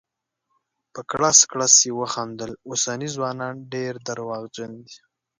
په کړس کړس یې وخندل: اوسني ځوانان ډير درواغجن دي.